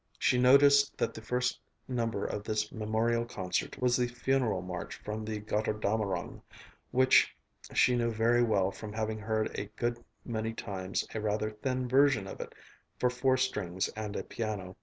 She noticed that the first number of this memorial concert was the funeral march from the Götterdämmerung, which she knew very well from having heard a good many times a rather thin version of it for four strings and a piano.